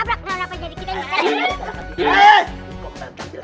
hei si itu yang nabrak